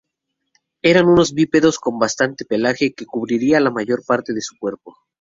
Eran unos bípedos con bastante pelaje que cubría la mayor parte de su cuerpo.